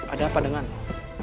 ada apa denganmu